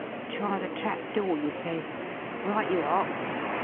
Try the trap door, you ses. Right you are!"